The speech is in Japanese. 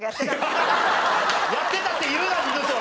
やってたって言うな二度と！